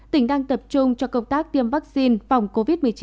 tỉnh đang tập trung cho công tác tiêm vaccine phòng covid một mươi chín